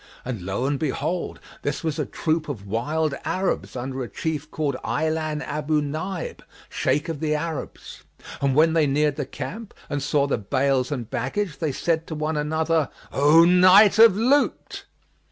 And lo and behold! this was a troop of wild Arabs under a chief called Ajlбn Abъ Nбib, Shaykh of the Arabs, and when they neared the camp and saw the bales and baggage, they said one to another, "O night of loot!"